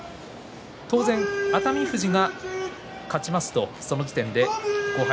当然、熱海富士が勝ちますとその時点で５敗